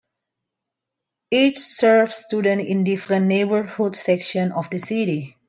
Each serves students in different neighborhood sections of the city.